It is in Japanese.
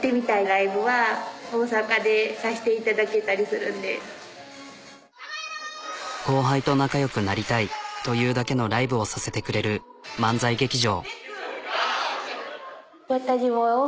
なんか後輩と仲よくなりたいというだけのライブをさせてくれる漫才劇場。